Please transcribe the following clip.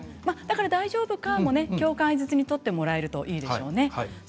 だから大丈夫かも共感相づちに取ってもらえるといいでしょうね。